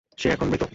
সে এখন মৃত।